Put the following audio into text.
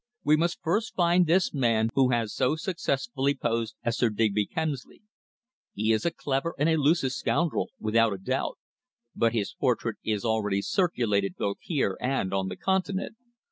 "We must first find this man who has so successfully posed as Sir Digby Kemsley. He is a clever and elusive scoundrel, without a doubt. But his portrait is already circulated both here and on the Continent.